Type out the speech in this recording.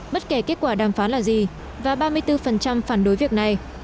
bất kể kết quả đàm phán là gì và ba mươi bốn phản đối việc này